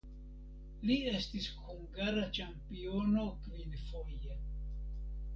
Li estis hungara ĉampiono kvinfoje.